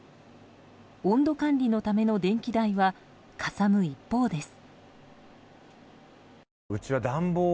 温度管理のための電気代はかさむ一方です。